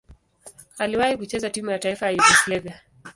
Aliwahi kucheza timu ya taifa ya Yugoslavia.